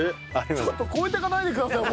ちょっと超えていかないでくださいよ